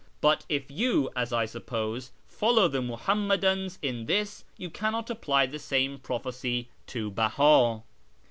But if you, as I suppose, follow the Muhammadans in this, you cannot apply the same prophecy to Beh;i.